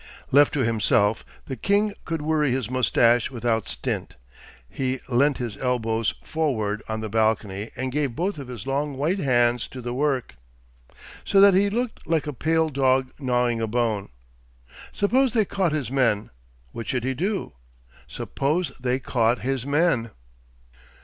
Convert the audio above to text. Left to himself, the king could worry his moustache without stint; he leant his elbows forward on the balcony and gave both of his long white hands to the work, so that he looked like a pale dog gnawing a bone. Suppose they caught his men, what should he do? Suppose they caught his men?